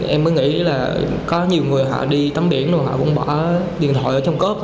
em mới nghĩ là có nhiều người họ đi tắm biển rồi họ cũng bỏ điện thoại ở trong cốp